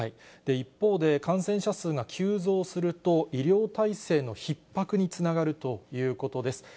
一方で、感染者数が急増すると、医療体制のひっ迫につながるということです。